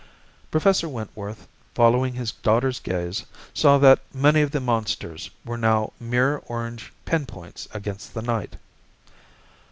Professor Wentworth following his daughter's gaze, saw that many of the monsters were now mere orange pinpoints against the night.